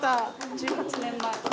１８年前。